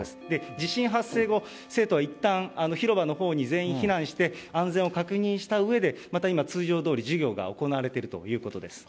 地震発生後、生徒はいったん、広場のほうに全員避難して、安全を確認したうえで、また今、通常どおり、授業が行われているということです。